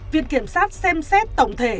viện kiểm soát xem xét tổng thể